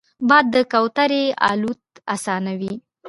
باد د کوترې الوت اسانوي